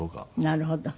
なるほど。